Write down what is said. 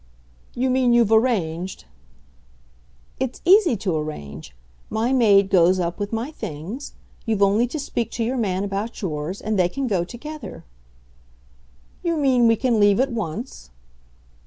"You mean you've arranged ?" "It's easy to arrange. My maid goes up with my things. You've only to speak to your man about yours, and they can go together." "You mean we can leave at once?"